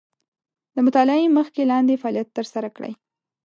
د مطالعې مخکې لاندې فعالیت تر سره کړئ.